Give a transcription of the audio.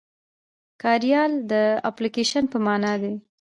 کاریال د اپليکيشن په مانا دی.